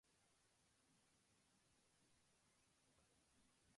母は兄許り贔負にして居た。此兄はやに色が白くつて、芝居の真似をして女形になるのが好きだつた。